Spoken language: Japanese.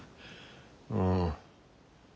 うん。